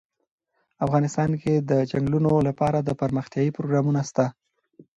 افغانستان کې د چنګلونه لپاره دپرمختیا پروګرامونه شته.